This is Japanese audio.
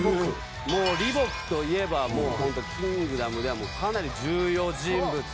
李牧といえばもうホント『キングダム』ではかなり重要人物と。